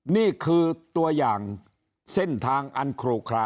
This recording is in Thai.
นี่คือตัวอย่างเส้นทางอันโครคลา